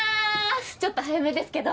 ちょっと早めですけど。